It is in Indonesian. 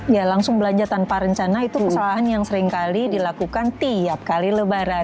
ya langsung belanja tanpa rencana itu kesalahan yang seringkali dilakukan tiap kali lebaran